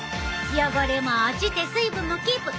汚れも落ちて水分もキープ！